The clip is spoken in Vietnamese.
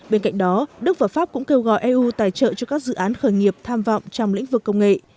bên cạnh đó đức và pháp cũng kêu gọi eu tài trợ cho các dự án khởi nghiệp tham vọng trong lĩnh vực công nghệ